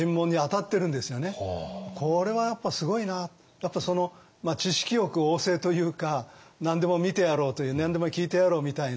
やっぱその知識欲旺盛というか何でも見てやろうという何でも聞いてやろうみたいな